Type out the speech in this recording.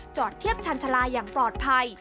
เทียบชันชาลาอย่างปลอดภัย